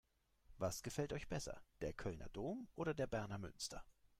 Was gefällt euch besser: Der Kölner Dom oder der Berner Münster?